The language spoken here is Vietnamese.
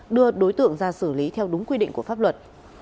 đưa đối tượng ra xử lý theo đúng quy định của pháp luật